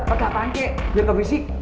percat tanke biar gak berisik